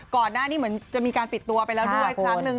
ก่อนหน้านี้เหมือนจะมีการปิดตัวไปแล้วด้วยครั้งหนึ่ง